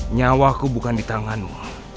nyawa aku bukan di tanganmu